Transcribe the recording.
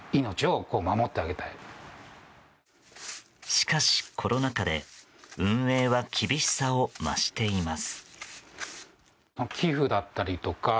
しかし、コロナ禍で運営は厳しさを増しています。